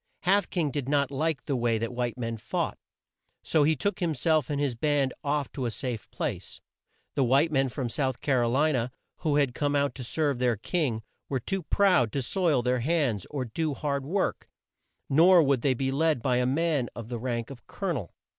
Half King did not like the way that white men fought, so he took him self and his band off to a safe place. The white men from South Car o li na, who had come out to serve their king, were too proud to soil their hands or to do hard work, nor would they be led by a man of the rank of Col o nel.